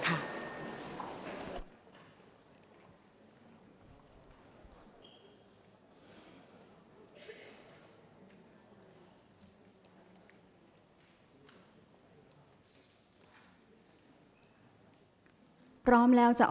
ออกรางวัลที่๖เลขที่๗